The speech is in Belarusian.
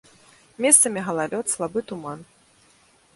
Месцамі галалёд, слабы туман.